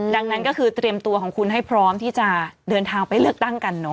ดังนั้นก็คือเตรียมตัวของคุณให้พร้อมที่จะเดินทางไปเลือกตั้งกันเนอ